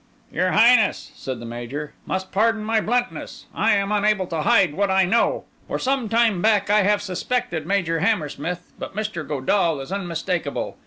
"Your Highness," said the Major, "must pardon my bluntness. I am unable to hide what I know. For some time back I have suspected Major Hammersmith, but Mr. Godall is unmistakable.